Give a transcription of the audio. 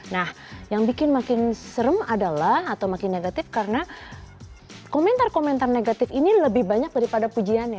nah yang bikin makin serem adalah atau makin negatif karena komentar komentar negatif ini lebih banyak daripada pujiannya